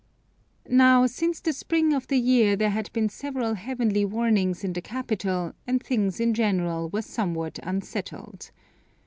Now, since the spring of the year there had been several heavenly warnings in the capital, and things in general were somewhat unsettled.